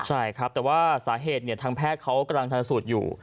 ใช่ครับแต่ว่าสาเหตุทางแพทย์เขากำลังทันสูตรอยู่